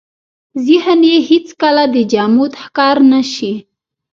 ذهن يې هېڅ کله د جمود ښکار نه شي.